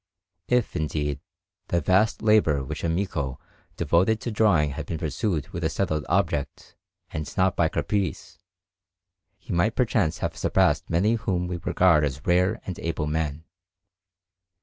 If, indeed, the vast labour which Amico devoted to drawing had been pursued with a settled object, and not by caprice, he might perchance have surpassed many whom we regard as rare and able men.